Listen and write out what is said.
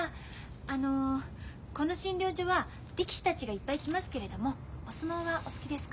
あのこの診療所は力士たちがいっぱい来ますけれどもお相撲はお好きですか？